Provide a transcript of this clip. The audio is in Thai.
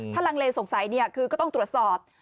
ถ้าลังเลสงสัยคือก็ต้องตรวจสอบ